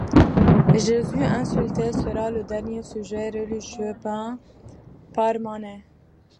Jésus insulté sera le dernier sujet religieux peint par Manet.